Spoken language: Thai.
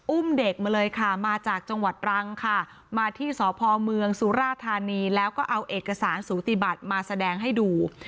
อุ้มเด็กมาเลยค่ะมาจากจังหวัดรังค่ะมาที่สพเมืองสุราธานีแล้วก็เอาเอกสารสูติบัติมาแสดงให้ดู